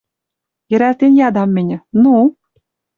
Йӹрӓлтен ядам мӹньӹ: «Ну?» —